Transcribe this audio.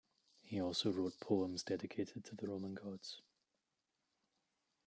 He also wrote poems dedicated to the Roman Gods.